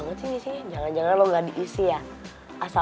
nah bayi pak menyam panggil saja